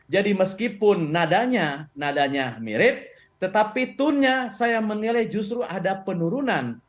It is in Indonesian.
jadi meskipun nadanya mirip tetapi tone nya saya menilai justru ada penurunan